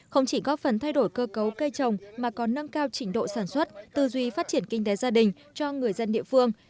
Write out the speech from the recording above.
không chỉ góp phần thay đổi cơ cấu cây trồng mà còn nâng cao trình độ sản xuất tư duy phát triển kinh tế gia đình cho người dân địa phương